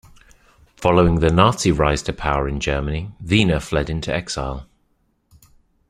Following the Nazi rise to power in Germany, Wiene fled into exile.